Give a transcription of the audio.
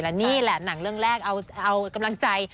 และนี่แหละหนังเรื่องแรกเอากำลังใจ